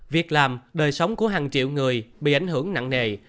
việc làm đời sống của hàng triệu người bị ảnh hưởng nặng nề